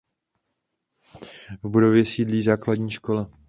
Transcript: V budově sídlí základní škola.